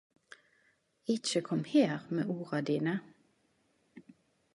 Ikkje kom her med orda dine.